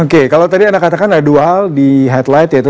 oke kalau tadi anda katakan dual di headlight yaitu